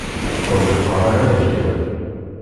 Ur d-qqar ara d lekdeb!